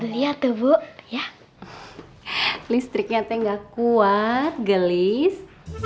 lihat tuh buk ya listriknya nggak kuat gelis